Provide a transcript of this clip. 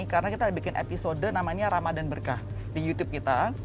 karena kita bikin episode namanya ramadhan berkah di youtube kita